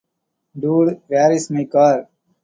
Dude, Where's My Car?